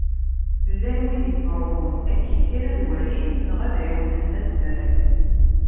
Llan wid yettruḥun akken kan ad walin, neɣ ad ɛiwnen ma zemren.